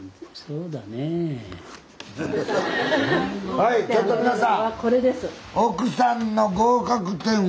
はいちょっと皆さん！